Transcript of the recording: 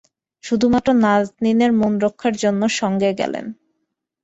শুধুমাত্র নাজনীনের মনরক্ষার জন্যে সঙ্গে গেলেন।